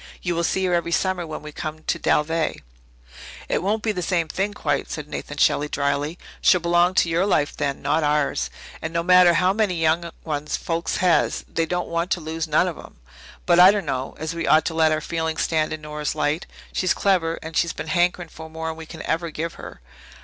You will see her every summer when we come to Dalveigh." "It won't be the same thing quite," said Nathan Shelley drily. "She'll belong to your life then not ours. And no matter how many young ones folks has, they don't want to lose none of 'em. But I dunno as we ought to let our feelings stand in Nora's light. She's clever, and she's been hankering for more'n we can ever give her.